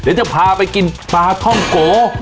เดี๋ยวจะพาไปกินปลาท่องโก